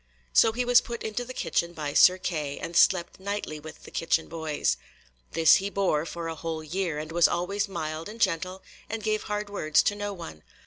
So he was put into the kitchen by Sir Kay, and slept nightly with the kitchen boys. This he bore for a whole year, and was always mild and gentle, and gave hard words to no one.